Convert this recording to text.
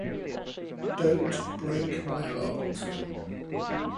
Don't Break My Heart!